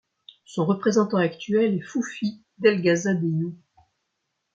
Son représentant actuel est Fufi Delgasa Deyu.